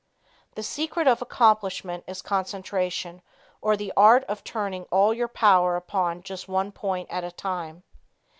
The secret of accomplishment is concentration, or the art of turning all your power upon just one point at a time.